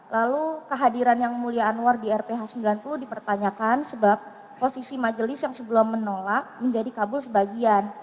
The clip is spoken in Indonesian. lalu kehadiran yang mulia anwar di rph sembilan puluh dipertanyakan sebab posisi majelis yang sebelum menolak menjadi kabul sebagian